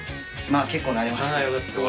まあ結構慣れました。